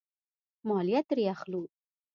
مالیه ترې اخلو.